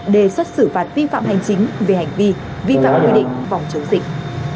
đề xuất xử phạt vi phạm hành chính về hành vi vi phạm quy định phòng chống dịch